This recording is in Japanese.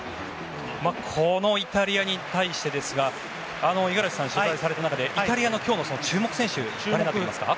このイタリアに対して五十嵐さんが取材された中でイタリアの注目選手は誰になってきますか？